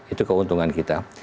itu keuntungan kita